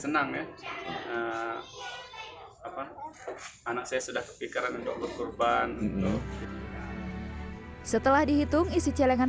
senang ya apa anak saya sudah kepikiran untuk berkurban setelah dihitung isi celengan